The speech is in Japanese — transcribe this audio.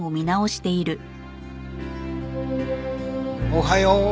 おはよう。